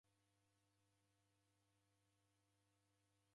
Daghala kala